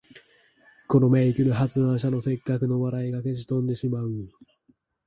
この名句の発案者の折角の笑いが消し飛んでしまう